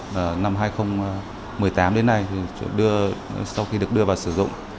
năm hai nghìn một mươi tám đến nay sau khi được đưa vào sử dụng